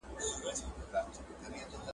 ټولنیز مهارتونه مو د بریا لاره ده.